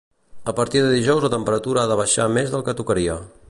A partir de dijous la temperatura ha de baixar més del que tocaria